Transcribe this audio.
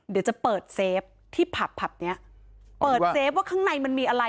เดี๋ยวจะเปิดเซฟที่ผับผับเนี้ยเปิดเซฟว่าข้างในมันมีอะไร